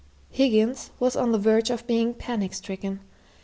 Higgins was on the verge of being panic stricken.